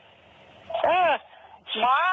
อือมาแล้วเนี่ย